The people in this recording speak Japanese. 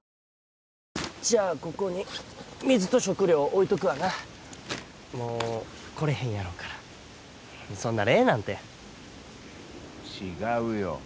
じゃあここに水と食料置いとくわなもう来れへんやろうからそんな礼なんて違うよ